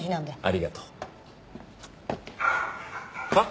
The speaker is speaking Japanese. ありがとう。はあ？